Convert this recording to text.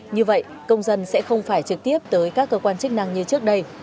như vậy công dân sẽ không phải trực tiếp tới các cơ quan chức năng như trước đây